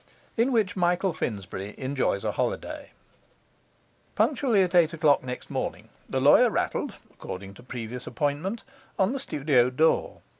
In Which Michael Finsbury Enjoys a Holiday Punctually at eight o'clock next morning the lawyer rattled (according to previous appointment) on the studio door.